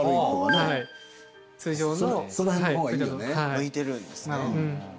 向いてるんですね。